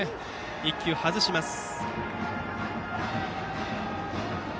１球、外しました。